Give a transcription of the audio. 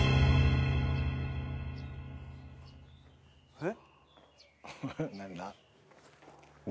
えっ？